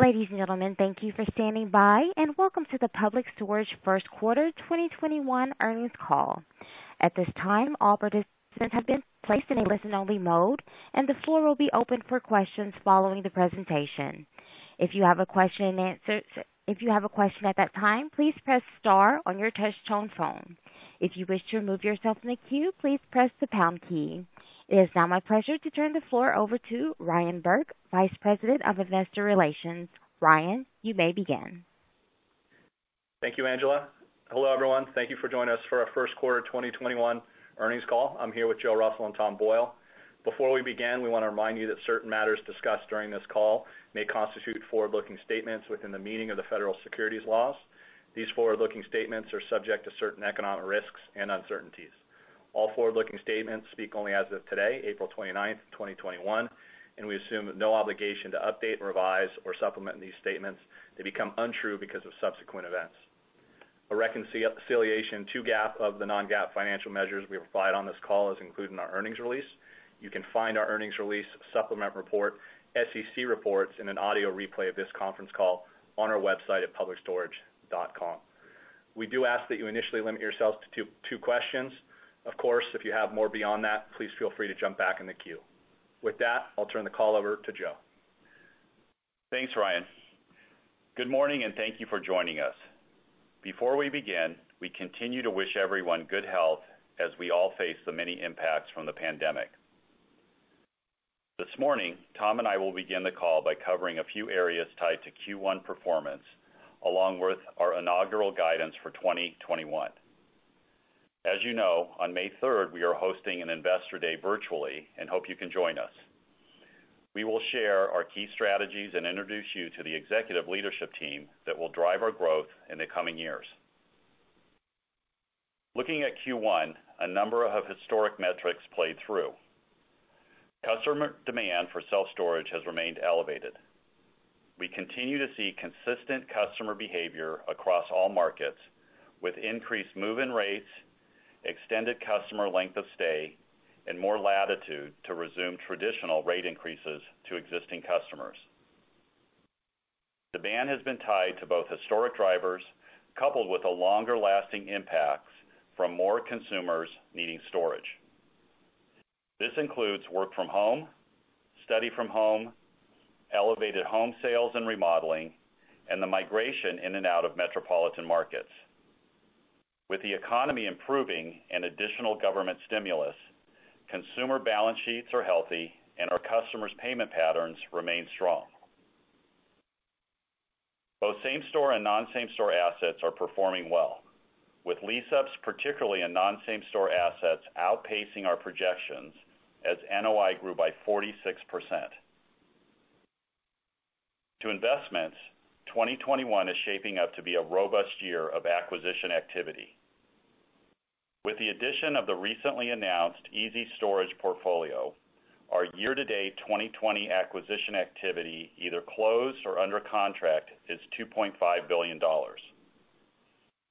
Ladies and gentlemen, thank you for standing by, and welcome to the Public Storage first quarter 2021 earnings call. At this time, all participants have been placed in a listen-only mode, and the floor will be open for questions following the presentation. It is now my pleasure to turn the floor over to Ryan Burke, Vice President of Investor Relations. Ryan, you may begin. Thank you, Angela. Hello, everyone. Thank you for joining us for our first quarter 2021 earnings call. I'm here with Joe Russell and Tom Boyle. Before we begin, we want to remind you that certain matters discussed during this call may constitute forward-looking statements within the meaning of the federal securities laws. These forward-looking statements are subject to certain economic risks and uncertainties. All forward-looking statements speak only as of today, April 29th, 2021, and we assume no obligation to update, revise, or supplement these statements if they become untrue because of subsequent events. A reconciliation to GAAP of the non-GAAP financial measures we provide on this call is included in our earnings release. You can find our earnings release, supplement report, SEC reports, and an audio replay of this conference call on our website at publicstorage.com. We do ask that you initially limit yourselves to two questions. Of course, if you have more beyond that, please feel free to jump back in the queue. With that, I'll turn the call over to Joe. Thanks, Ryan. Good morning, and thank you for joining us. Before we begin, we continue to wish everyone good health as we all face the many impacts from the pandemic. This morning, Tom and I will begin the call by covering a few areas tied to Q1 performance, along with our inaugural guidance for 2021. As you know, on May 3rd, we are hosting an investor day virtually and hope you can join us. We will share our key strategies and introduce you to the executive leadership team that will drive our growth in the coming years. Looking at Q1, a number of historic metrics played through. Customer demand for self-storage has remained elevated. We continue to see consistent customer behavior across all markets, with increased move-in rates, extended customer length of stay, and more latitude to resume traditional rate increases to existing customers. Demand has been tied to both historic drivers, coupled with the longer-lasting impacts from more consumers needing storage. This includes work from home, study from home, elevated home sales and remodeling, and the migration in and out of metropolitan markets. With the economy improving and additional government stimulus, consumer balance sheets are healthy, and our customers' payment patterns remain strong. Both same-store and non-same-store assets are performing well, with lease-ups, particularly in non-same-store assets, outpacing our projections as NOI grew by 46%. To investments, 2021 is shaping up to be a robust year of acquisition activity. With the addition of the recently announced ezStorage portfolio, our year-to-date 2020 acquisition activity, either closed or under contract, is $2.5 billion.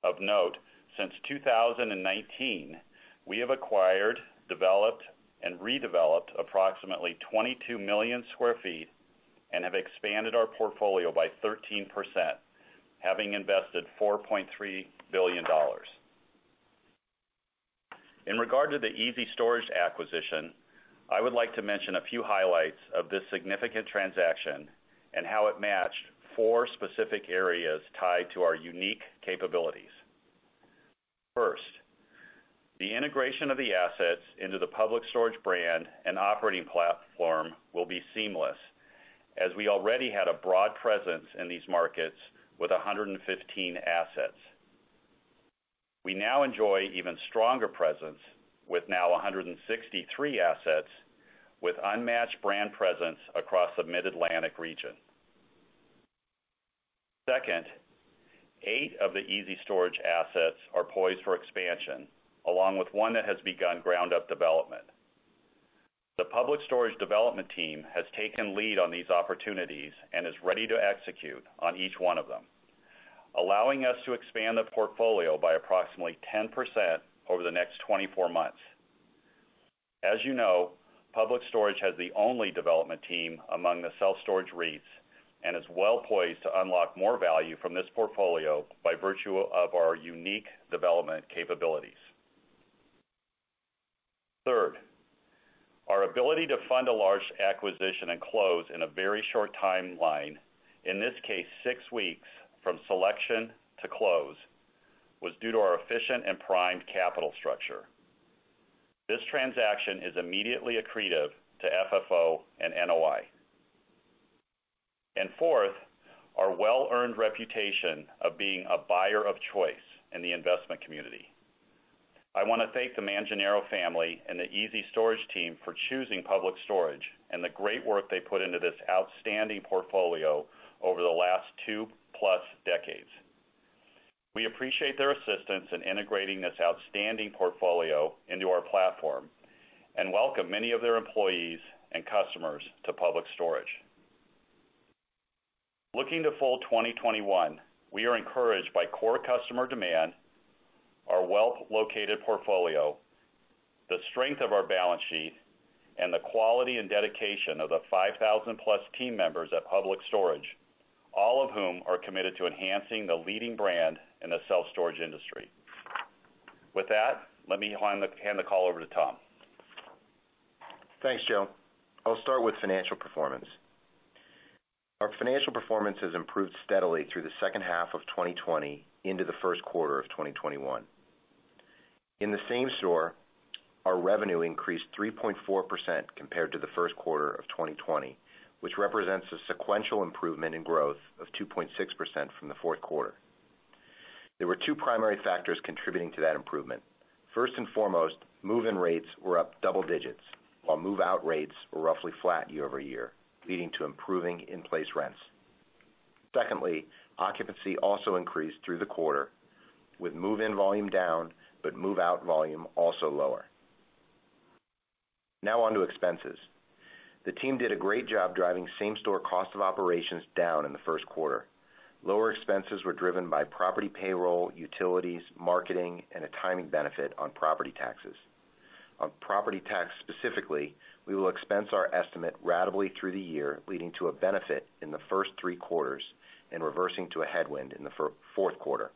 Of note, since 2019, we have acquired, developed, and redeveloped approximately 22 million sq ft and have expanded our portfolio by 13%, having invested $4.3 billion. In regard to the ezStorage acquisition, I would like to mention a few highlights of this significant transaction and how it matched four specific areas tied to our unique capabilities. First, the integration of the assets into the Public Storage brand and operating platform will be seamless, as we already had a broad presence in these markets with 115 assets. We now enjoy even stronger presence with now 163 assets, with unmatched brand presence across the Mid-Atlantic region. Second, eight of the ezStorage assets are poised for expansion, along with one that has begun ground-up development. The Public Storage development team has taken lead on these opportunities and is ready to execute on each one of them, allowing us to expand the portfolio by approximately 10% over the next 24 months. As you know, Public Storage has the only development team among the self-storage REITs and is well-poised to unlock more value from this portfolio by virtue of our unique development capabilities. Third, our ability to fund a large acquisition and close in a very short timeline, in this case, six weeks from selection to close, was due to our efficient and primed capital structure. This transaction is immediately accretive to FFO and NOI. Fourth, our well-earned reputation of being a buyer of choice in the investment community. I want to thank the Manganaro family and the ezStorage team for choosing Public Storage and the great work they put into this outstanding portfolio over the last two-plus decades. We appreciate their assistance in integrating this outstanding portfolio into our platform and welcome many of their employees and customers to Public Storage. Looking to full 2021, we are encouraged by core customer demand. Our well-located portfolio, the strength of our balance sheet, and the quality and dedication of the 5,000+ team members at Public Storage, all of whom are committed to enhancing the leading brand in the self-storage industry. With that, let me hand the call over to Tom. Thanks, Joe. I'll start with financial performance. Our financial performance has improved steadily through the second half of 2020 into the first quarter of 2021. In the same-store, our revenue increased 3.4% compared to the first quarter of 2020, which represents a sequential improvement in growth of 2.6% from the fourth quarter. There were two primary factors contributing to that improvement. First and foremost, move-in rates were up double digits, while move-out rates were roughly flat year-over-year, leading to improving in-place rents. Secondly, occupancy also increased through the quarter, with move-in volume down, but move-out volume also lower. Now on to expenses. The team did a great job driving same-store cost of operations down in the first quarter. Lower expenses were driven by property payroll, utilities, marketing, and a timing benefit on property taxes. On property tax specifically, we will expense our estimate ratably through the year, leading to a benefit in the first three quarters and reversing to a headwind in the fourth quarter.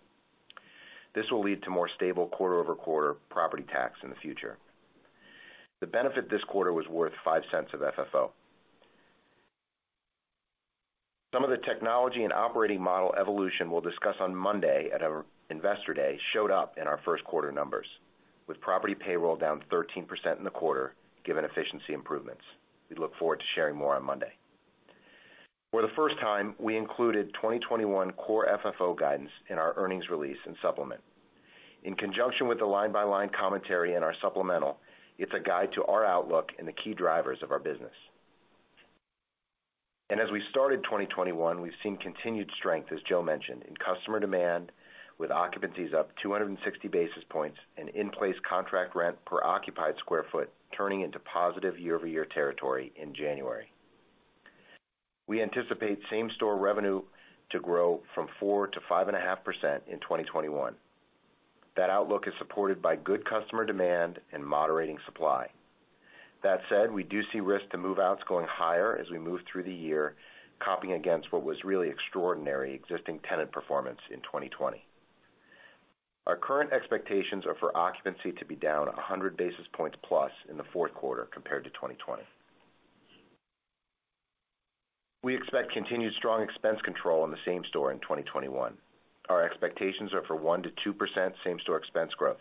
This will lead to more stable quarter-over-quarter property tax in the future. The benefit this quarter was worth $0.05 of FFO. Some of the technology and operating model evolution we'll discuss on Monday at our Investor Day showed up in our first quarter numbers, with property payroll down 13% in the quarter, given efficiency improvements. We look forward to sharing more on Monday. For the first time, we included 2021 Core FFO guidance in our earnings release and supplement. In conjunction with the line-by-line commentary in our supplemental, it's a guide to our outlook and the key drivers of our business. As we started 2021, we've seen continued strength, as Joe mentioned, in customer demand, with occupancies up 260 basis points and in-place contract rent per occupied sq ft turning into positive year-over-year territory in January. We anticipate same-store revenue to grow from 4%-5.5% in 2021. That outlook is supported by good customer demand and moderating supply. That said, we do see risk to move-outs going higher as we move through the year, comping against what was really extraordinary existing tenant performance in 2020. Our current expectations are for occupancy to be down 100 basis points plus in the fourth quarter compared to 2020. We expect continued strong expense control in the same store in 2021. Our expectations are for 1%-2% same-store expense growth.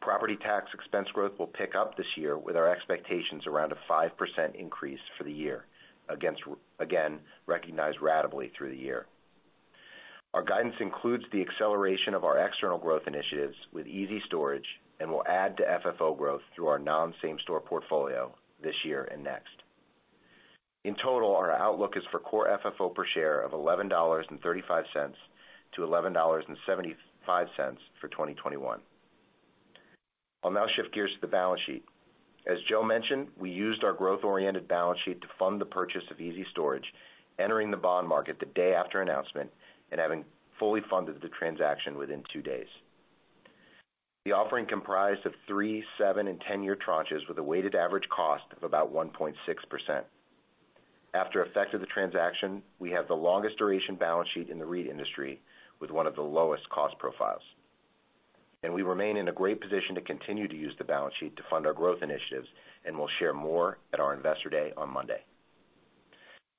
Property tax expense growth will pick up this year, with our expectations around a 5% increase for the year, again, recognized ratably through the year. Our guidance includes the acceleration of our external growth initiatives with ezStorage and will add to FFO growth through our non-same-store portfolio this year and next. In total, our outlook is for core FFO per share of $11.35-$11.75 for 2021. I'll now shift gears to the balance sheet. As Joe mentioned, we used our growth-oriented balance sheet to fund the purchase of ezStorage, entering the bond market the day after announcement and having fully funded the transaction within two days. The offering comprised of 3, 7, and 10-year tranches with a weighted average cost of about 1.6%. After effect of the transaction, we have the longest duration balance sheet in the REIT industry with one of the lowest cost profiles. We remain in a great position to continue to use the balance sheet to fund our growth initiatives, and we'll share more at our Investor Day on Monday.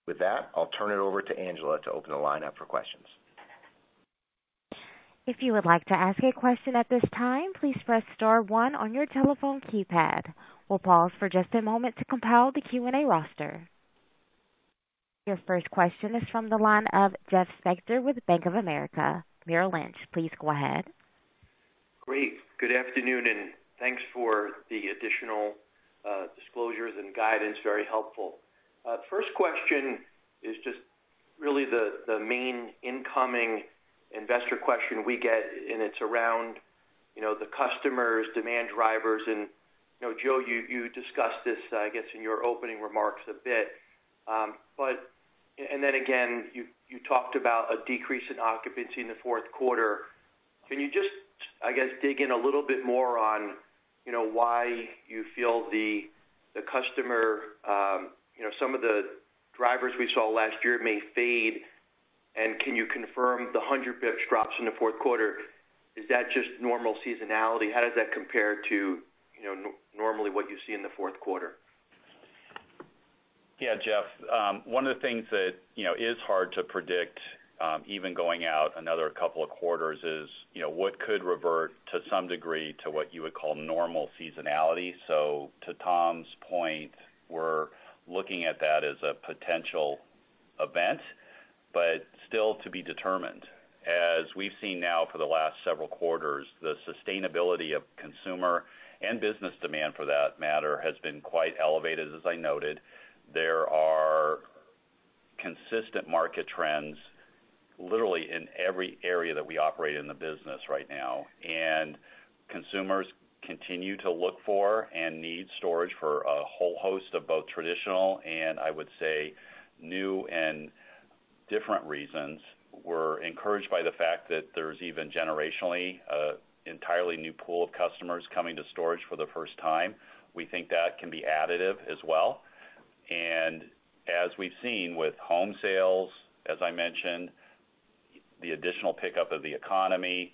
With that, I'll turn it over to Angela to open the line up for questions. Your first question is from the line of Jeff Spector with Bank of America, Merrill Lynch. Please go ahead. Great. Good afternoon, and thanks for the additional disclosures and guidance, very helpful. First question is just really the main incoming investor question we get, and it's around the customers, demand drivers, and Joe, you discussed this, I guess, in your opening remarks a bit. Then again, you talked about a decrease in occupancy in the fourth quarter. Can you just, I guess, dig in a little bit more on why you feel some of the drivers we saw last year may fade? Can you confirm the 100 basis points drops in the fourth quarter? Is that just normal seasonality? How does that compare to normally what you see in the fourth quarter? Yeah, Jeff. One of the things that is hard to predict, even going out another couple of quarters, is what could revert to some degree to what you would call normal seasonality. To Tom's point, we're looking at that as a potential event, but still to be determined. As we've seen now for the last several quarters, the sustainability of consumer and business demand for that matter has been quite elevated, as I noted. There are consistent market trends literally in every area that we operate in the business right now. Consumers continue to look for and need storage for a whole host of both traditional and, I would say, new and different reasons. We're encouraged by the fact that there's even generationally, an entirely new pool of customers coming to storage for the first time. We think that can be additive as well. As we've seen with home sales, as I mentioned, the additional pickup of the economy,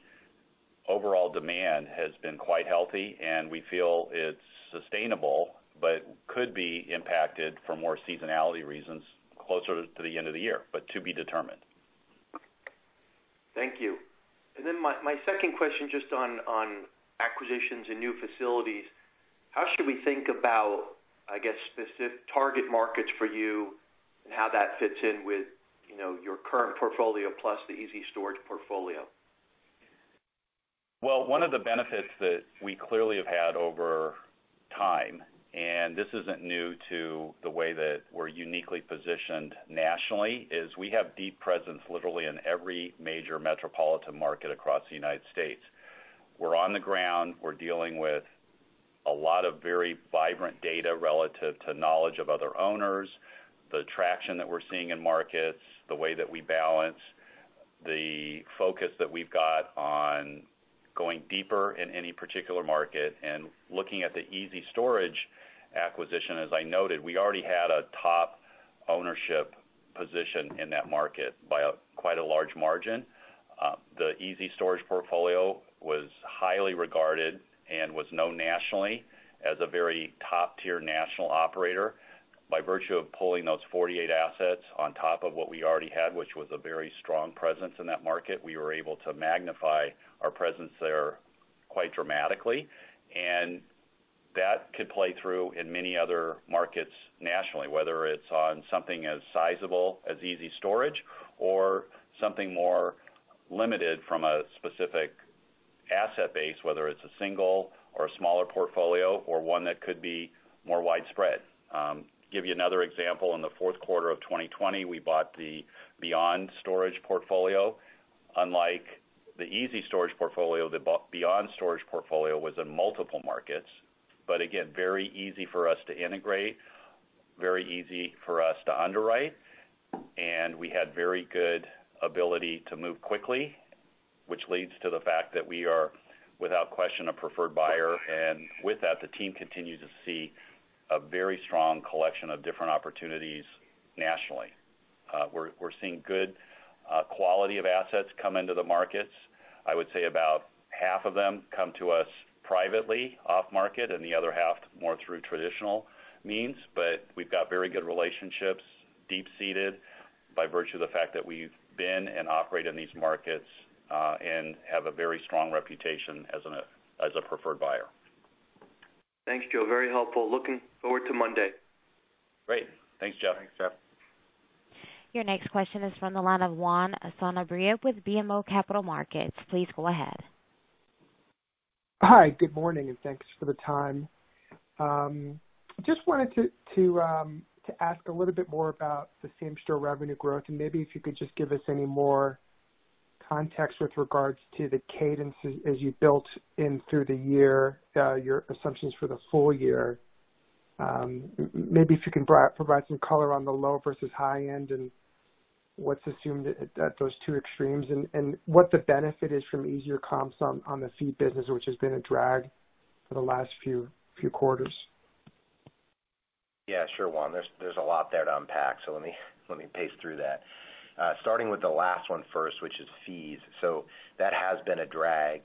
overall demand has been quite healthy, and we feel it's sustainable, but could be impacted for more seasonality reasons closer to the end of the year, but to be determined. Thank you. My second question, just on acquisitions and new facilities. How should we think about, I guess, specific target markets for you and how that fits in with your current portfolio plus the ezStorage portfolio? Well, one of the benefits that we clearly have had over time, this isn't new to the way that we're uniquely positioned nationally, is we have deep presence literally in every major metropolitan market across the U.S. We're on the ground. We're dealing with a lot of very vibrant data relative to knowledge of other owners, the traction that we're seeing in markets, the way that we balance the focus that we've got on going deeper in any particular market. Looking at the ezStorage acquisition, as I noted, we already had a top ownership position in that market by quite a large margin. The ezStorage portfolio was highly regarded and was known nationally as a very top-tier national operator. By virtue of pulling those 48 assets on top of what we already had, which was a very strong presence in that market, we were able to magnify our presence there quite dramatically. That could play through in many other markets nationally, whether it's on something as sizable as ezStorage or something more limited from a specific asset base, whether it's a single or a smaller portfolio, or one that could be more widespread. To give you another example, in the fourth quarter of 2020, we bought the Beyond Self Storage portfolio. Unlike the ezStorage portfolio, the Beyond Self Storage portfolio was in multiple markets, but again, very easy for us to integrate, very easy for us to underwrite, and we had very good ability to move quickly, which leads to the fact that we are, without question, a preferred buyer. With that, the team continued to see a very strong collection of different opportunities nationally. We're seeing good quality of assets come into the markets. I would say about half of them come to us privately, off-market, and the other half more through traditional means. We've got very good relationships, deep-seated, by virtue of the fact that we've been and operate in these markets, and have a very strong reputation as a preferred buyer. Thanks, Joe. Very helpful. Looking forward to Monday. Great. Thanks, Jeff. Thanks, Jeff. Your next question is from the line of Juan Sanabria with BMO Capital Markets. Please go ahead. Hi, good morning, and thanks for the time. Just wanted to ask a little bit more about the same-store revenue growth, and maybe if you could just give us any more context with regards to the cadence as you built in through the year, your assumptions for the full year. Maybe if you can provide some color on the low versus high end, and what's assumed at those two extremes and what the benefit is from easier comps on the fee business, which has been a drag for the last few quarters. Yeah, sure, Juan. There's a lot there to unpack, so let me pace through that. Starting with the last one first, which is fees. That has been a drag,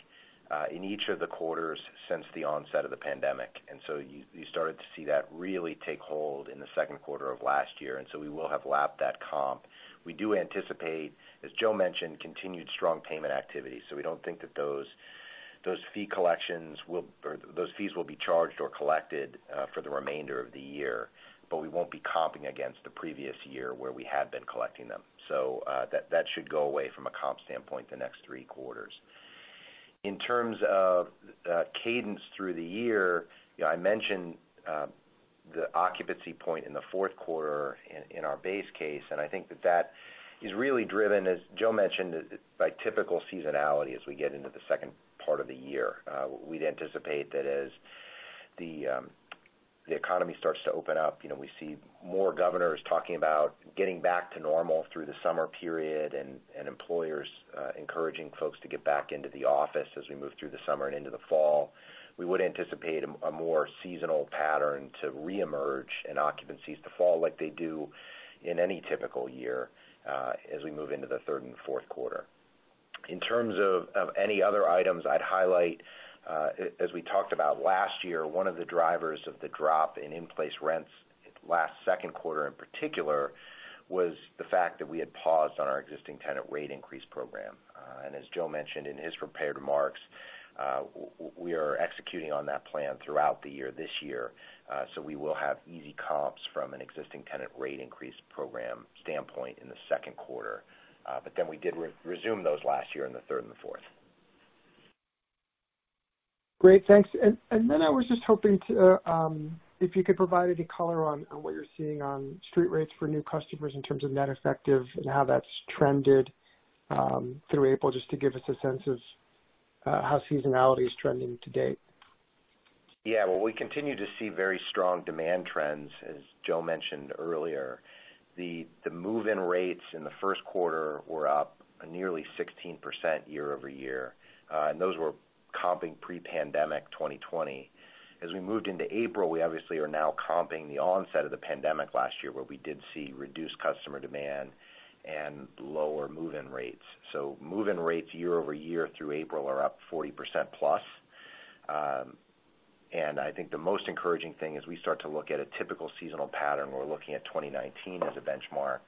in each of the quarters since the onset of the pandemic. You started to see that really take hold in the second quarter of last year, and so we will have lapped that comp. We do anticipate, as Joe mentioned, continued strong payment activity, so we don't think that those fees will be charged or collected for the remainder of the year. We won't be comping against the previous year where we have been collecting them. That should go away from a comp standpoint the next three quarters. In terms of cadence through the year, I mentioned the occupancy point in the fourth quarter in our base case, and I think that that is really driven, as Joe mentioned, by typical seasonality as we get into the second part of the year. We'd anticipate that as the economy starts to open up, we see more governors talking about getting back to normal through the summer period and employers encouraging folks to get back into the office as we move through the summer and into the fall. We would anticipate a more seasonal pattern to reemerge and occupancies to fall like they do in any typical year as we move into the third and fourth quarter. In terms of any other items I'd highlight, as we talked about last year, one of the drivers of the drop in in-place rents last second quarter in particular, was the fact that we had paused on our existing tenant rate increase program. As Joe mentioned in his prepared remarks, we are executing on that plan throughout the year this year. We will have easy comps from an existing tenant rate increase program standpoint in the second quarter. We did resume those last year in the third and the fourth. Great, thanks. Then I was just hoping if you could provide any color on what you're seeing on street rates for new customers in terms of net effective and how that's trended through April, just to give us a sense of how seasonality is trending to date? Yeah. Well, we continue to see very strong demand trends, as Joe mentioned earlier. The move-in rates in the first quarter were up nearly 16% year-over-year. Those were comping pre-pandemic 2020. As we moved into April, we obviously are now comping the onset of the pandemic last year, where we did see reduced customer demand and lower move-in rates. Move-in rates year-over-year through April are up 40%+. I think the most encouraging thing as we start to look at a typical seasonal pattern, we're looking at 2019 as a benchmark,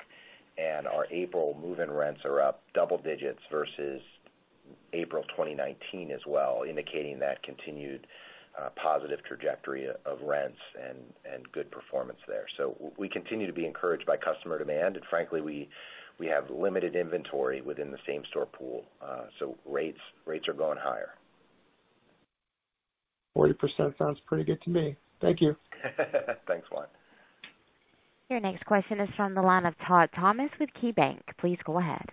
and our April move-in rents are up double digits versus April 2019 as well, indicating that continued positive trajectory of rents and good performance there. We continue to be encouraged by customer demand, and frankly, we have limited inventory within the same-store pool, so rates are going higher. 40% sounds pretty good to me. Thank you. Thanks, Juan. Your next question is from the line of Todd Thomas with KeyBanc. Please go ahead.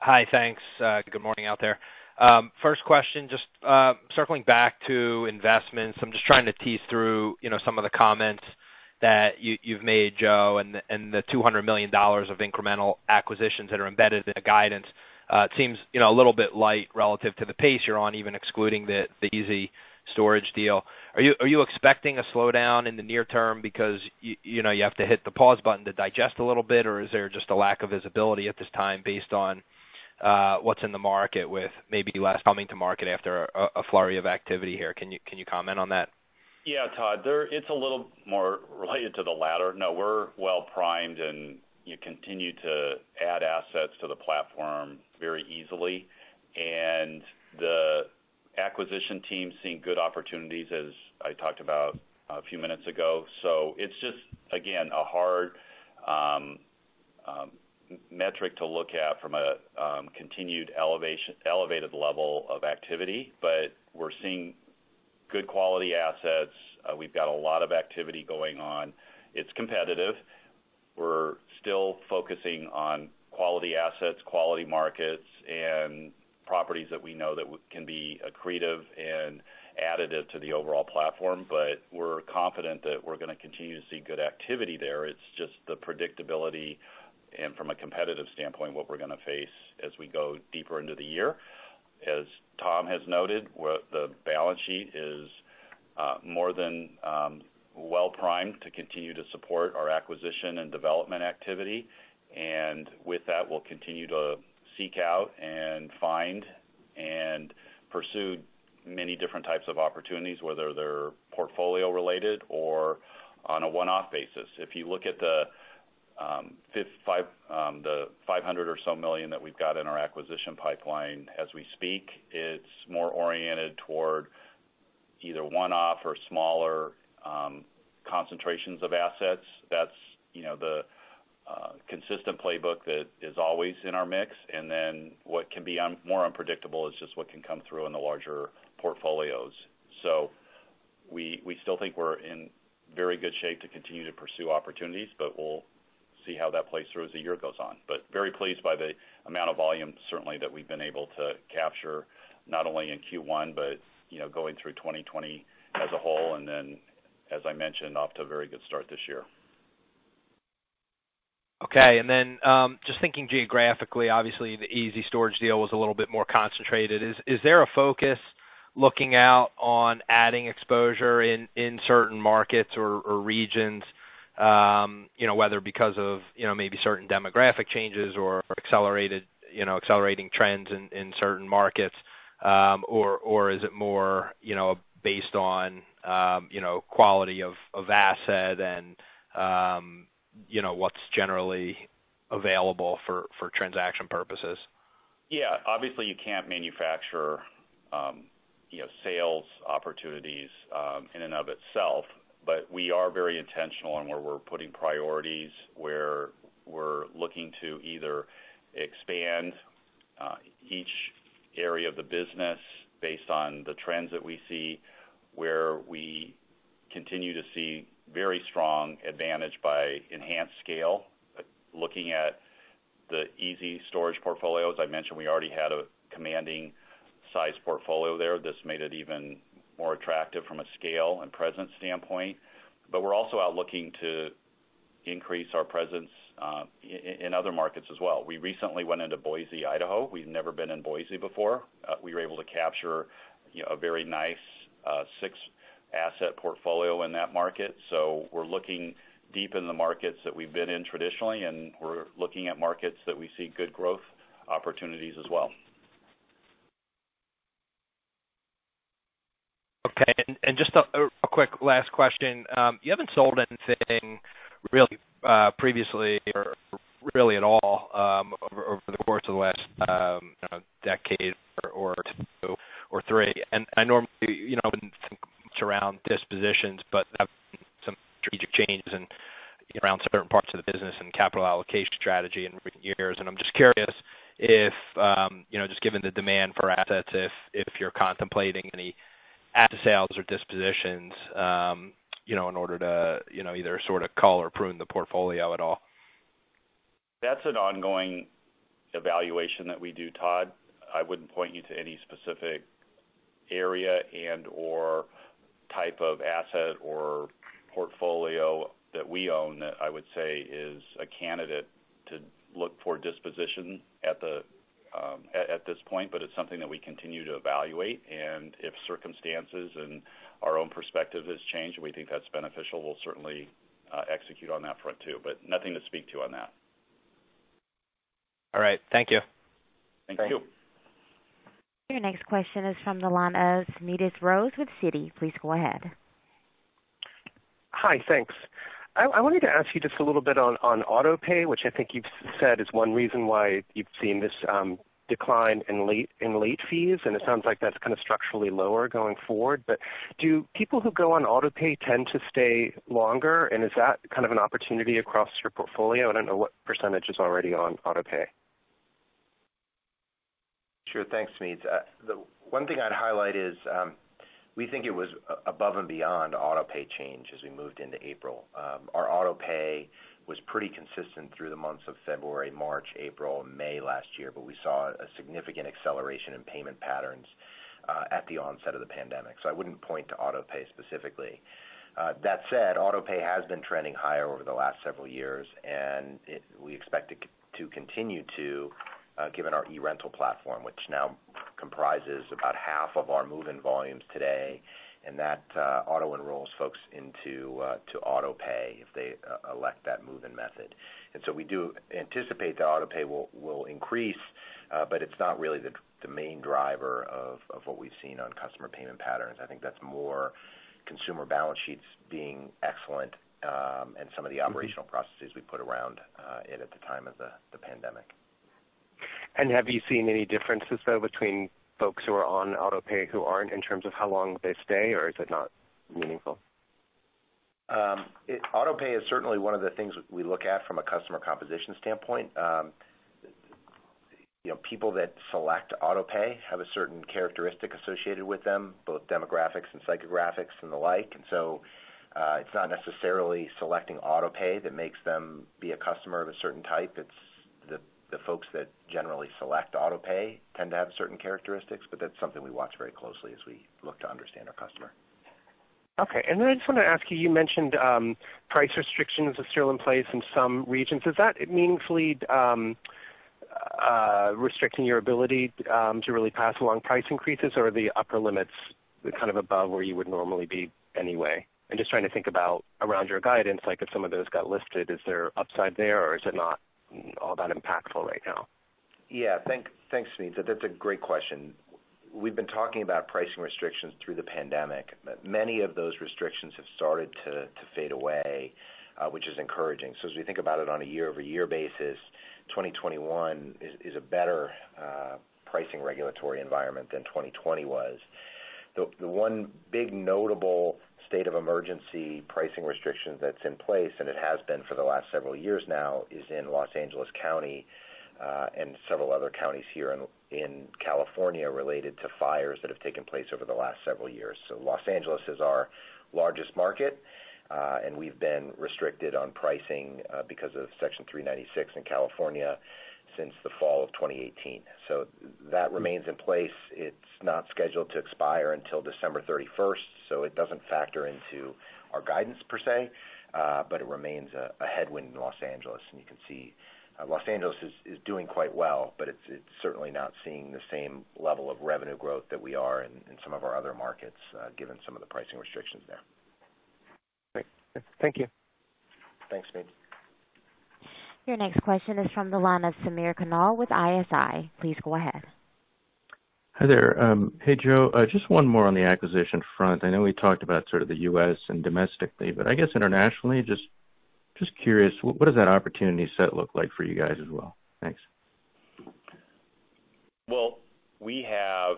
Hi, thanks. Good morning out there. First question, just circling back to investments. I'm just trying to tease through some of the comments that you've made, Joe, and the $200 million of incremental acquisitions that are embedded in the guidance. It seems a little bit light relative to the pace you're on, even excluding the ezStorage deal. Are you expecting a slowdown in the near term because you have to hit the pause button to digest a little bit, or is there just a lack of visibility at this time based on what's in the market with maybe less coming to market after a flurry of activity here? Can you comment on that? Yeah, Todd, it's a little more related to the latter. No, we're well primed and continue to add assets to the platform very easily. The acquisition team is seeing good opportunities, as I talked about a few minutes ago. It's just, again, a hard metric to look at from a continued elevated level of activity. We're seeing good quality assets. We've got a lot of activity going on. It's competitive. We're still focusing on quality assets, quality markets, and properties that we know that can be accretive and additive to the overall platform. We're confident that we're going to continue to see good activity there. It's just the predictability and from a competitive standpoint, what we're going to face as we go deeper into the year. As Tom has noted, the balance sheet is more than well primed to continue to support our acquisition and development activity. With that, we'll continue to seek out and find and pursue many different types of opportunities, whether they're portfolio related or on a one-off basis. If you look at the $500 or so million that we've got in our acquisition pipeline as we speak, it's more oriented toward either one-off or smaller concentrations of assets. That's the consistent playbook that is always in our mix. What can be more unpredictable is just what can come through in the larger portfolios. We still think we're in very good shape to continue to pursue opportunities, but we'll see how that plays through as the year goes on. Very pleased by the amount of volume, certainly, that we've been able to capture not only in Q1 but going through 2020 as a whole, and then, as I mentioned, off to a very good start this year. Okay. Just thinking geographically, obviously, the ezStorage deal was a little bit more concentrated. Is there a focus looking out on adding exposure in certain markets or regions, whether because of maybe certain demographic changes or accelerating trends in certain markets? Or is it more based on quality of asset and what's generally available for transaction purposes? Yeah, obviously you can't manufacture sales opportunities in and of itself. We are very intentional in where we're putting priorities, where we're looking to either expand each area of the business based on the trends that we see, where we continue to see very strong advantage by enhanced scale. Looking at the ezStorage portfolio, as I mentioned, we already had a commanding size portfolio there. This made it even more attractive from a scale and presence standpoint. We are also out looking to increase our presence in other markets as well. We recently went into Boise, Idaho. We've never been in Boise before. We were able to capture a very nice six-asset portfolio in that market. We are looking deep in the markets that we've been in traditionally, and we are looking at markets that we see good growth opportunities as well. Okay, just a quick last question. You haven't sold anything previously or really at all over the course of the last decade or two or three, and I normally wouldn't think much around dispositions, but have some strategic changes around certain parts of the business and capital allocation strategy in recent years, and I'm just curious if, just given the demand for assets, if you're contemplating any asset sales or dispositions in order to either sort of cull or prune the portfolio at all? That's an ongoing evaluation that we do, Todd. I wouldn't point you to any specific area and/or type of asset or portfolio that we own that I would say is a candidate to look for disposition at this point, but it's something that we continue to evaluate. If circumstances and our own perspective has changed, and we think that's beneficial, we'll certainly execute on that front too. Nothing to speak to on that. All right. Thank you. Thank you. Your next question is from the line of Smedes Rose with Citi. Please go ahead. Hi. Thanks. I wanted to ask you just a little bit on autopay, which I think you've said is one reason why you've seen this decline in late fees, and it sounds like that's kind of structurally lower going forward. Do people who go on autopay tend to stay longer? Is that kind of an opportunity across your portfolio? I don't know what % is already on autopay. Sure. Thanks, Smedes. The one thing I'd highlight is, we think it was above and beyond autopay change as we moved into April. Our autopay was pretty consistent through the months of February, March, April, and May last year, but we saw a significant acceleration in payment patterns at the onset of the pandemic. I wouldn't point to autopay specifically. That said, autopay has been trending higher over the last several years, and we expect it to continue to, given our eRental platform, which now comprises about half of our move-in volumes today, and that auto-enrolls folks into autopay if they elect that move-in method. We do anticipate that autopay will increase, but it's not really the main driver of what we've seen on customer payment patterns. I think that's more consumer balance sheets being excellent, and some of the operational processes we put around it at the time of the pandemic. Have you seen any differences, though, between folks who are on autopay who aren't, in terms of how long they stay, or is it not meaningful? Autopay is certainly one of the things we look at from a customer composition standpoint. People that select autopay have a certain characteristic associated with them, both demographics and psychographics and the like. It's not necessarily selecting autopay that makes them be a customer of a certain type. It's the folks that generally select autopay tend to have certain characteristics, but that's something we watch very closely as we look to understand our customer. Okay. I just want to ask you mentioned price restrictions are still in place in some regions. Is that meaningfully restricting your ability to really pass along price increases? Are the upper limits kind of above where you would normally be anyway? I'm just trying to think about around your guidance, like if some of those got lifted, is there upside there, or is it not all that impactful right now? Thanks, Smedes. That's a great question. We've been talking about pricing restrictions through the pandemic. Many of those restrictions have started to fade away, which is encouraging. As we think about it on a year-over-year basis, 2021 is a better pricing regulatory environment than 2020 was. The one big notable state of emergency pricing restriction that's in place, and it has been for the last several years now, is in L.A. County, and several other counties here in California related to fires that have taken place over the last several years. L.A. is our largest market. We've been restricted on pricing because of Section 396 in California since the fall of 2018. That remains in place. It's not scheduled to expire until December 31st. It doesn't factor into our guidance per se. It remains a headwind in Los Angeles, and you can see Los Angeles is doing quite well, but it's certainly not seeing the same level of revenue growth that we are in some of our other markets, given some of the pricing restrictions there. Great. Thank you. Thanks, Smedes. Your next question is from the line of Samir Khanal with ISI. Please go ahead. Hi there. Hey, Joe. Just one more on the acquisition front. I know we talked about sort of the U.S. and domestically, I guess internationally, just curious, what does that opportunity set look like for you guys as well? Thanks. Well, we have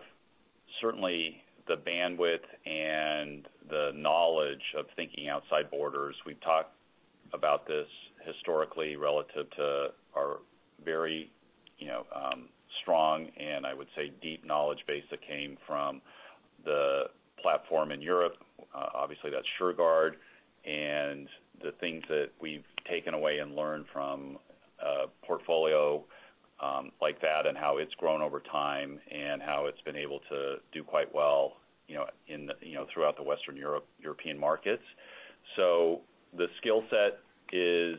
certainly the bandwidth and the knowledge of thinking outside borders. We've talked about this historically relative to our very strong, and I would say deep knowledge base that came from the platform in Europe. Obviously, that's Shurgard. The things that we've taken away and learned from a portfolio like that and how it's grown over time and how it's been able to do quite well throughout the Western European markets. The skill set is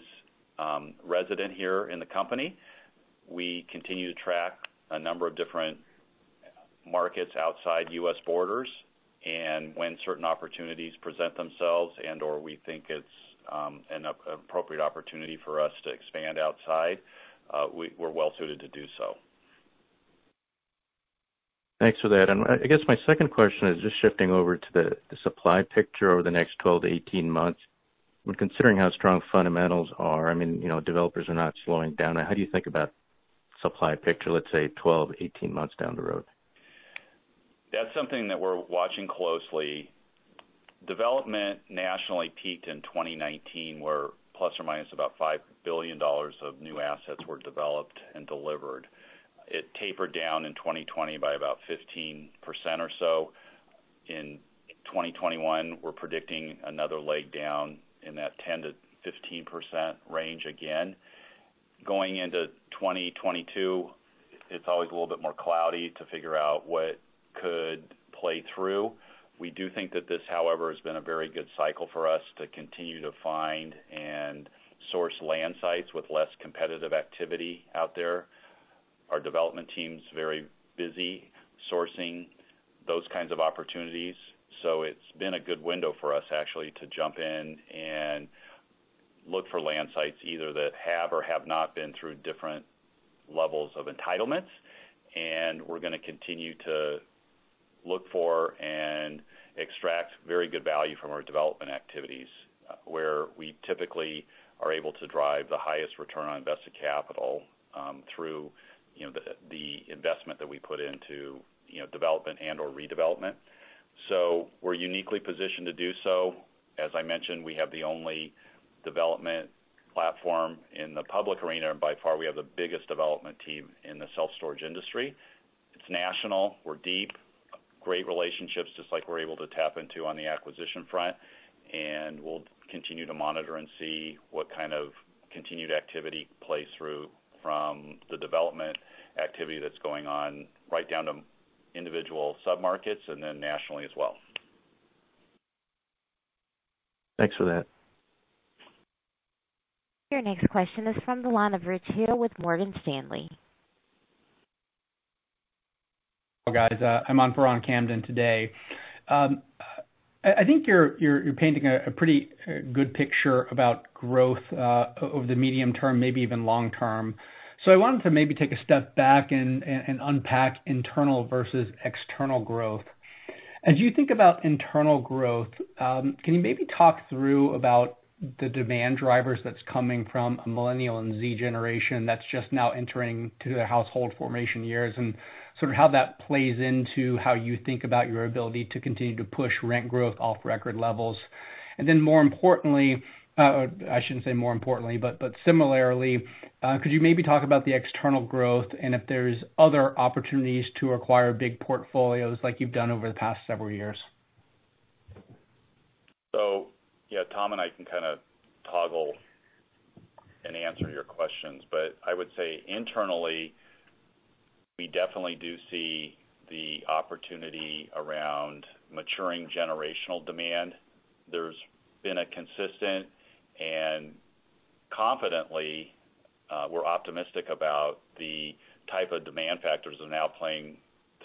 resident here in the company. We continue to track a number of different markets outside U.S. borders, and when certain opportunities present themselves and/or we think it's an appropriate opportunity for us to expand outside, we're well suited to do so. Thanks for that. I guess my second question is just shifting over to the supply picture over the next 12 to 18 months. When considering how strong fundamentals are, I mean, developers are not slowing down. How do you think about supply picture, let's say, 12, 18 months down the road? That's something that we're watching closely. Development nationally peaked in 2019, where ±$5 billion of new assets were developed and delivered. It tapered down in 2020 by about 15% or so. In 2021, we're predicting another leg down in that 10%-15% range again. Going into 2022, it's always a little bit more cloudy to figure out what could play through. We do think that this, however, has been a very good cycle for us to continue to find and source land sites with less competitive activity out there. Our development team's very busy sourcing those kinds of opportunities. It's been a good window for us, actually, to jump in and look for land sites, either that have or have not been through different levels of entitlements. We're going to continue to look for and extract very good value from our development activities, where we typically are able to drive the highest return on invested capital through the investment that we put into development and/or redevelopment. We're uniquely positioned to do so. As I mentioned, we have the only development platform in the public arena. By far, we have the biggest development team in the self-storage industry. It's national. We're deep. Great relationships, just like we're able to tap into on the acquisition front. We'll continue to monitor and see what kind of continued activity plays through from the development activity that's going on right down to individual sub-markets, and then nationally as well. Thanks for that. Your next question is from the line of Rich Hill with Morgan Stanley. Guys, I'm on for Ronald Kamdem today. I think you're painting a pretty good picture about growth over the medium term, maybe even long term. I wanted to maybe take a step back and unpack internal versus external growth. As you think about internal growth, can you maybe talk through about the demand drivers that's coming from a Millennial and Z Generation that's just now entering to their household formation years, and sort of how that plays into how you think about your ability to continue to push rent growth off record levels? More importantly, I shouldn't say more importantly, but similarly, could you maybe talk about the external growth, and if there's other opportunities to acquire big portfolios like you've done over the past several years? Yeah, Tom and I can kind of toggle and answer your questions, but I would say internally, we definitely do see the opportunity around maturing generational demand. There's been a consistent, and confidently, we're optimistic about the type of demand factors that are now playing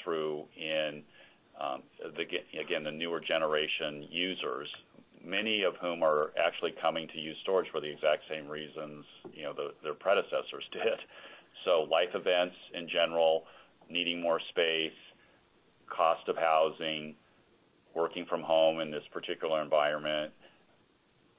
through in, again, the newer generation users, many of whom are actually coming to use storage for the exact same reasons their predecessors did. Life events in general, needing more space, cost of housing, working from home in this particular environment,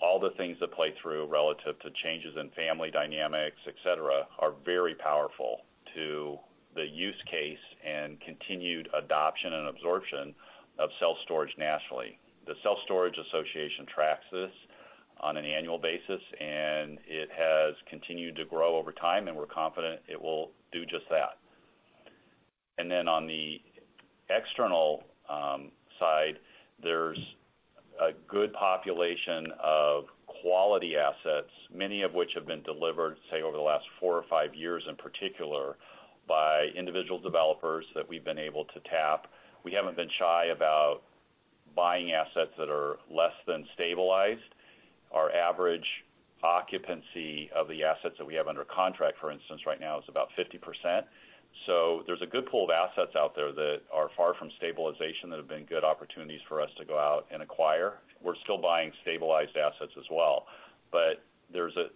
all the things that play through relative to changes in family dynamics, et cetera, are very powerful to the use case and continued adoption and absorption of self-storage nationally. The Self Storage Association tracks this on an annual basis, and it has continued to grow over time, and we're confident it will do just that. Then on the external side, there's a good population of quality assets, many of which have been delivered, say, over the last four or five years, in particular, by individual developers that we've been able to tap. We haven't been shy about buying assets that are less than stabilized. Our average occupancy of the assets that we have under contract, for instance, right now is about 50%. There's a good pool of assets out there that are far from stabilization that have been good opportunities for us to go out and acquire. We're still buying stabilized assets as well, but there's a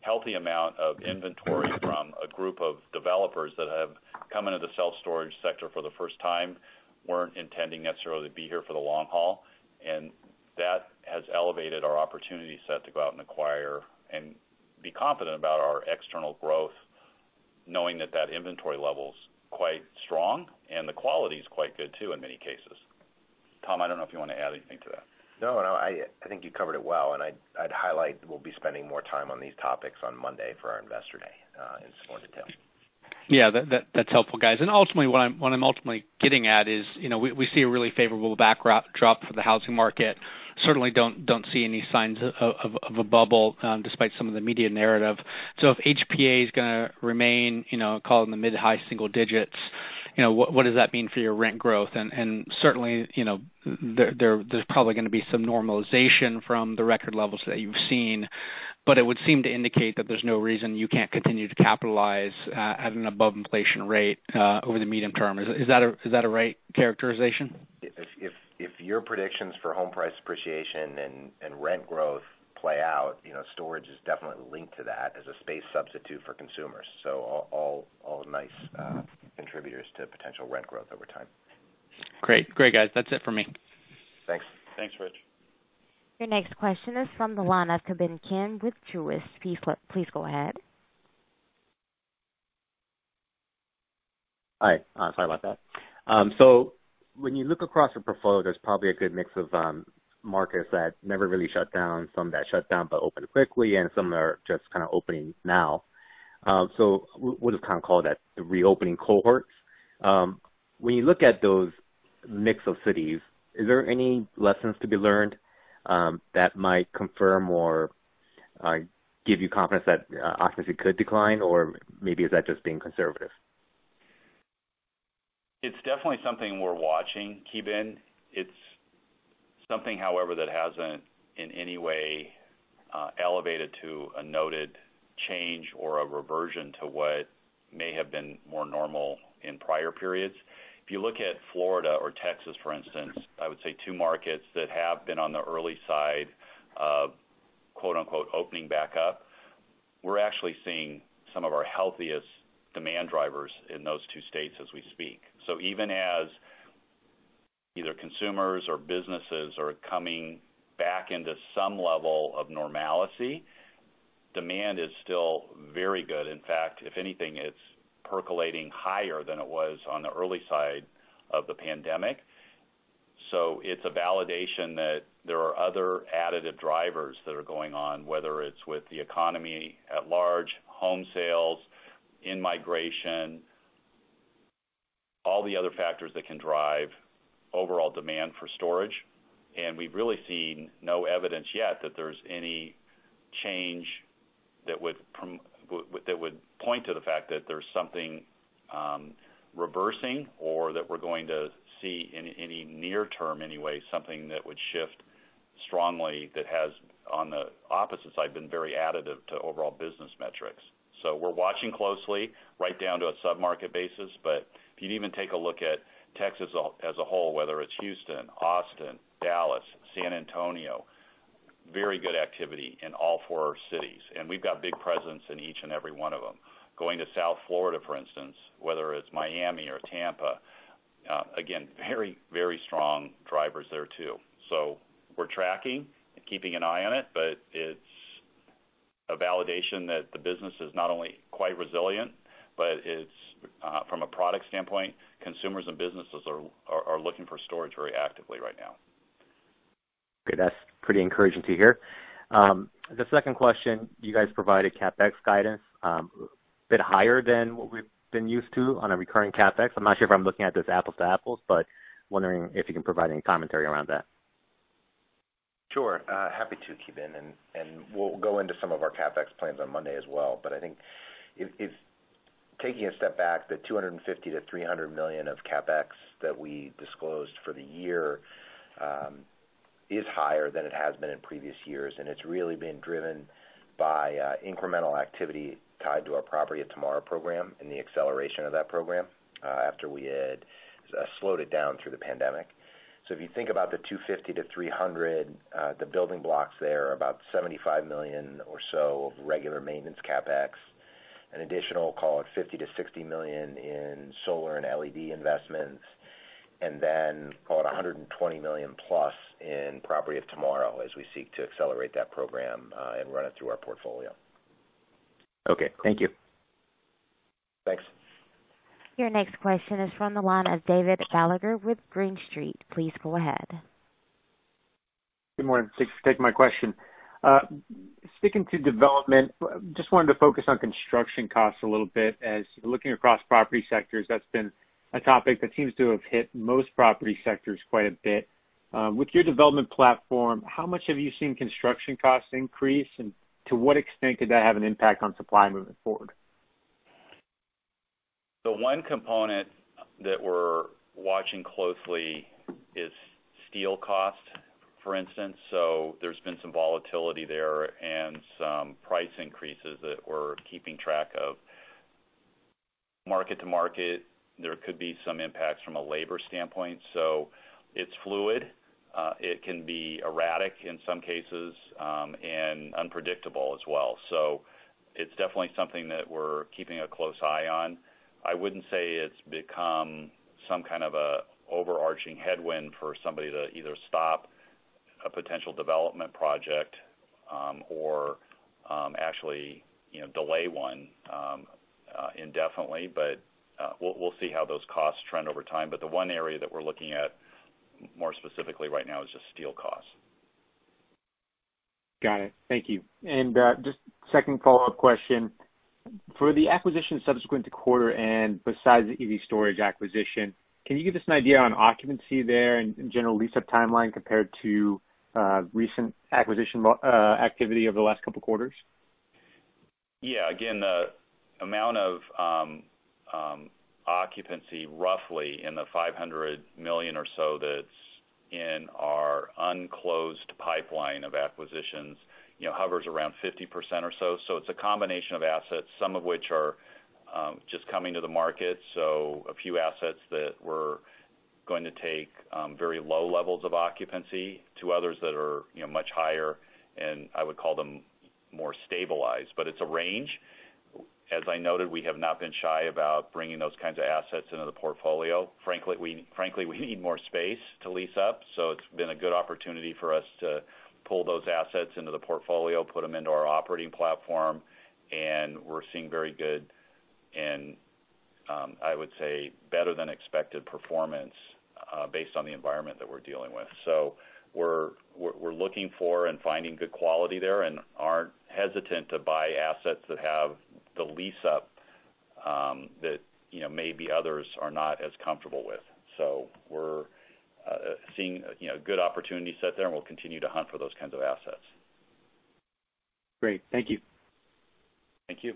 healthy amount of inventory from a group of developers that have come into the self-storage sector for the first time, weren't intending necessarily to be here for the long haul, and that has elevated our opportunity set to go out and acquire and be confident about our external growth, knowing that inventory level's quite strong and the quality's quite good too, in many cases. Tom, I don't know if you want to add anything to that. No, I think you covered it well, and I'd highlight we'll be spending more time on these topics on Monday for our investor day in some more detail. Yeah, that's helpful, guys. What I'm ultimately getting at is we see a really favorable backdrop for the housing market. Certainly don't see any signs of a bubble, despite some of the media narrative. If HPA is going to remain call it in the mid-high single digits, what does that mean for your rent growth? Certainly, there's probably going to be some normalization from the record levels that you've seen, but it would seem to indicate that there's no reason you can't continue to capitalize at an above inflation rate over the medium term. Is that a right characterization? If your predictions for home price appreciation and rent growth play out, storage is definitely linked to that as a space substitute for consumers. All nice contributors to potential rent growth over time. Great. Guys, that's it for me. Thanks. Thanks, Rich. Your next question is from the line of Ki Bin Kim with Truist. Please go ahead. Hi, sorry about that. When you look across your portfolio, there's probably a good mix of markets that never really shut down, some that shut down but opened quickly, and some that are just kind of opening now. We'll just call that the reopening cohorts. When you look at those mix of cities, are there any lessons to be learned that might confirm or give you confidence that occupancy could decline? Or maybe is that just being conservative? It's definitely something we're watching, Ki Bin. It's something, however, that hasn't in any way elevated to a noted change or a reversion to what may have been more normal in prior periods. If you look at Florida or Texas, for instance, I would say two markets that have been on the early side of "opening back up," we're actually seeing some of our healthiest demand drivers in those two states as we speak. Even as either consumers or businesses are coming back into some level of normalcy, demand is still very good. In fact, if anything, it's percolating higher than it was on the early side of the pandemic. It's a validation that there are other additive drivers that are going on, whether it's with the economy at large, home sales, in-migration, all the other factors that can drive overall demand for storage. We've really seen no evidence yet that there's any change that would point to the fact that there's something reversing or that we're going to see, in any near term anyway, something that would shift strongly that has, on the opposite side, been very additive to overall business metrics. We're watching closely, right down to a sub-market basis. If you even take a look at Texas as a whole, whether it's Houston, Austin, Dallas, San Antonio, very good activity in all four cities. We've got big presence in each and every one of them. Going to South Florida, for instance, whether it's Miami or Tampa, again, very strong drivers there, too. We're tracking and keeping an eye on it, but it's a validation that the business is not only quite resilient, but from a product standpoint, consumers and businesses are looking for storage very actively right now. Okay. That's pretty encouraging to hear. The second question, you guys provided CapEx guidance, a bit higher than what we've been used to on a recurring CapEx. I'm not sure if I'm looking at this apples to apples, but wondering if you can provide any commentary around that. Sure. Happy to, Ki Bin, and we'll go into some of our CapEx plans on Monday as well. I think, taking a step back, the $250 million-$300 million of CapEx that we disclosed for the year is higher than it has been in previous years, and it's really been driven by incremental activity tied to our Property of Tomorrow program and the acceleration of that program, after we had slowed it down through the pandemic. If you think about the $250 million-$300 million, the building blocks there are about $75 million or so of regular maintenance CapEx, an additional, call it, $50 million-$60 million in solar and LED investments, and then call it $120 million-plus in Property of Tomorrow as we seek to accelerate that program, and run it through our portfolio. Okay. Thank you. Thanks. Your next question is from the line of David Gallagher with Green Street. Please go ahead. Good morning. Thanks for taking my question. Sticking to development, just wanted to focus on construction costs a little bit as looking across property sectors, that's been a topic that seems to have hit most property sectors quite a bit. With your development platform, how much have you seen construction costs increase, and to what extent could that have an impact on supply moving forward? The one component that we're watching closely is steel cost, for instance. There's been some volatility there and some price increases that we're keeping track of. Market to market, there could be some impacts from a labor standpoint. It's fluid. It can be erratic in some cases, and unpredictable as well. It's definitely something that we're keeping a close eye on. I wouldn't say it's become some kind of a overarching headwind for somebody to either stop a potential development project, or actually delay one indefinitely. We'll see how those costs trend over time. The one area that we're looking at more specifically right now is just steel costs. Got it. Thank you. Just second follow-up question. For the acquisitions subsequent to quarter end, besides the ezStorage acquisition, can you give us an idea on occupancy there and general lease-up timeline compared to recent acquisition activity over the last couple quarters? Yeah. Again, the amount of occupancy, roughly in the $500 million or so that's in our unclosed pipeline of acquisitions hovers around 50% or so. It's a combination of assets, some of which are just coming to the market. A few assets that we're going to take very low levels of occupancy to others that are much higher, and I would call them more stabilized. It's a range. As I noted, we have not been shy about bringing those kinds of assets into the portfolio. Frankly, we need more space to lease up, so it's been a good opportunity for us to pull those assets into the portfolio, put them into our operating platform, and I would say, better than expected performance based on the environment that we're dealing with. We're looking for and finding good quality there and aren't hesitant to buy assets that have the lease-up that maybe others are not as comfortable with. We're seeing good opportunities sit there, and we'll continue to hunt for those kinds of assets. Great. Thank you. Thank you.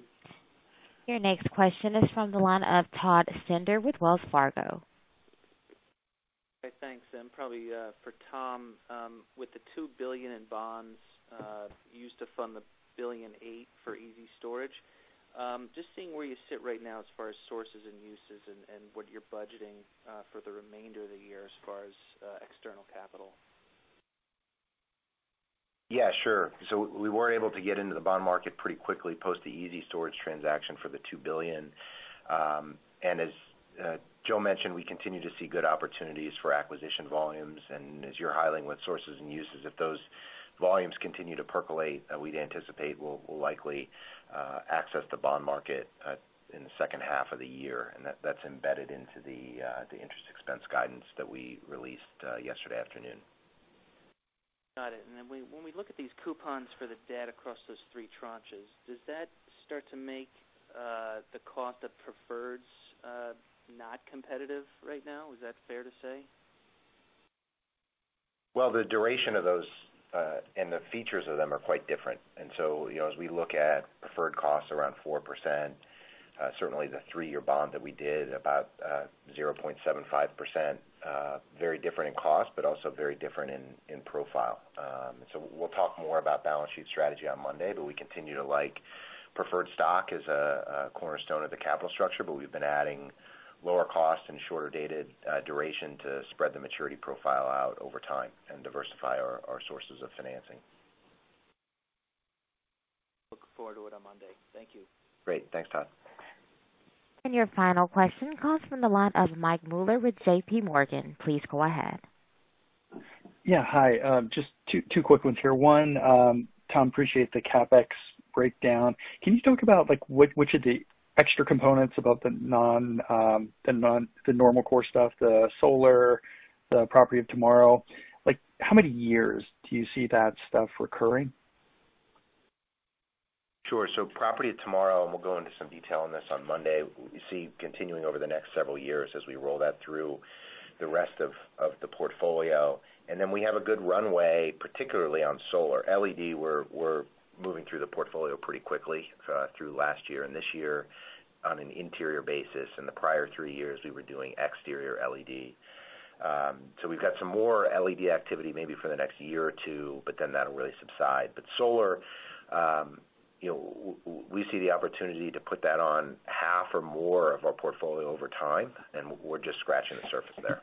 Your next question is from the line of Todd Stender with Wells Fargo. Hey, thanks. Probably for Tom, with the $2 billion in bonds used to fund the $1.8 billion for ezStorage, just seeing where you sit right now as far as sources and uses and what you're budgeting for the remainder of the year as far as external capital. Yeah, sure. We were able to get into the bond market pretty quickly post the ezStorage transaction for $2 billion. As Joe mentioned, we continue to see good opportunities for acquisition volumes. As you're highlighting with sources and uses, if those volumes continue to percolate, we'd anticipate we'll likely access the bond market in the second half of the year. That's embedded into the interest expense guidance that we released yesterday afternoon. Got it. When we look at these coupons for the debt across those three tranches, does that start to make the cost of preferreds not competitive right now? Is that fair to say? Well, the duration of those and the features of them are quite different. As we look at preferred costs around 4%, certainly the three-year bond that we did about 0.75%, very different in cost, but also very different in profile. We'll talk more about balance sheet strategy on Monday, but we continue to like preferred stock as a cornerstone of the capital structure. We've been adding lower cost and shorter dated duration to spread the maturity profile out over time and diversify our sources of financing. Look forward to it on Monday. Thank you. Great. Thanks, Todd. Your final question comes from the line of Mike Mueller with JPMorgan. Please go ahead. Yeah, hi. Just two quick ones here. One, Tom, I appreciate the CapEx breakdown. Can you talk about which of the extra components about the normal core stuff, the solar, the Property of Tomorrow, how many years do you see that stuff recurring? Sure. Property of Tomorrow, and we'll go into some detail on this on Monday, we see continuing over the next several years as we roll that through the rest of the portfolio. We have a good runway, particularly on solar. LED, we're moving through the portfolio pretty quickly through last year and this year on an interior basis. In the prior three years, we were doing exterior LED. We've got some more LED activity maybe for the next year or two, but then that'll really subside. Solar, we see the opportunity to put that on half or more of our portfolio over time, and we're just scratching the surface there.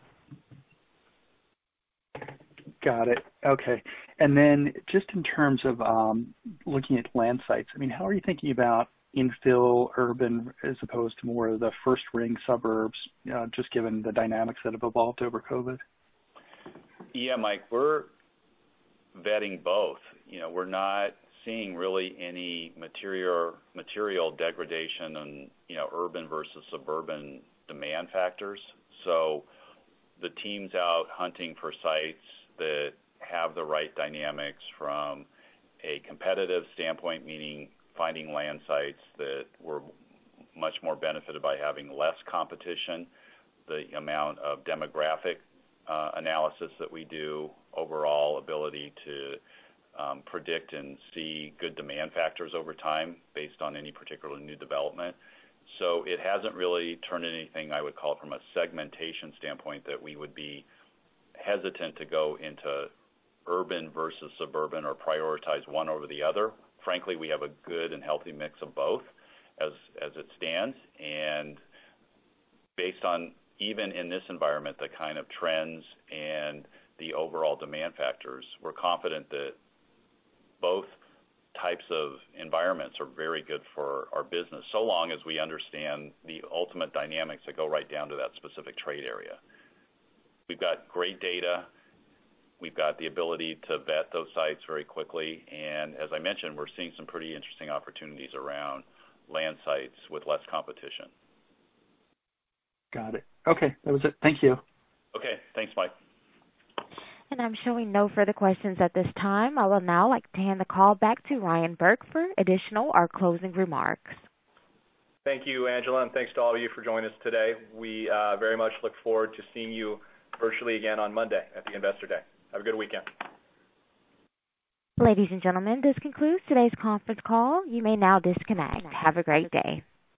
Got it. Okay. Then just in terms of looking at land sites, how are you thinking about infill urban as opposed to more of the first ring suburbs, just given the dynamics that have evolved over COVID? Yeah, Mike, we're vetting both. We're not seeing really any material degradation on urban versus suburban demand factors. The team's out hunting for sites that have the right dynamics from a competitive standpoint, meaning finding land sites that were much more benefited by having less competition, the amount of demographic analysis that we do, overall ability to predict and see good demand factors over time based on any particular new development. It hasn't really turned anything I would call from a segmentation standpoint that we would be hesitant to go into urban versus suburban or prioritize one over the other. Frankly, we have a good and healthy mix of both as it stands. Based on, even in this environment, the kind of trends and the overall demand factors, we're confident that both types of environments are very good for our business, so long as we understand the ultimate dynamics that go right down to that specific trade area. We've got great data. We've got the ability to vet those sites very quickly. As I mentioned, we're seeing some pretty interesting opportunities around land sites with less competition. Got it. Okay. That was it. Thank you. Okay. Thanks, Mike. I'm showing no further questions at this time. I will now like to hand the call back to Ryan Burke for additional or closing remarks. Thank you, Angela, and thanks to all of you for joining us today. We very much look forward to seeing you virtually again on Monday at the Investor Day. Have a good weekend. Ladies and gentlemen, this concludes today's conference call. You may now disconnect. Have a great day.